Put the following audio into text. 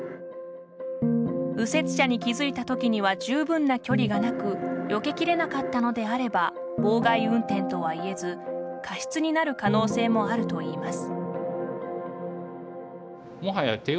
右折車に気付いた時には十分な距離がなくよけ切れなかったのであれば妨害運転とは言えず過失になる可能性もあるといいます。